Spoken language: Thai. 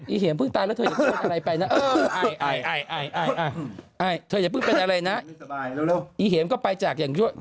อีเหมพึ่งตายแล้วเธอยังคิดอะไรไปนะ